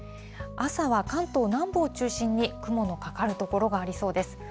朝は関東南部を中心に、雲のかかる所がありそうです。